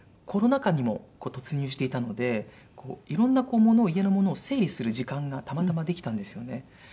コロナ禍にも突入していたのでいろんなものを家のものを整理する時間がたまたまできたんですよね。